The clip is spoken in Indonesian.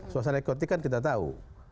suasana ekotik kan kita tahu